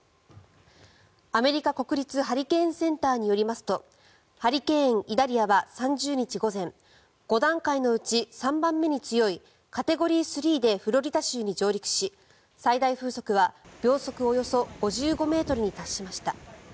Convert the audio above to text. アメリカ国立ハリケーンセンターによりますとハリケーン、イダリアは３０日午前５段階のうち３番目に強いカテゴリー３でフロリダ州に上陸し最大風速は秒速およそ５５ｍに達しました。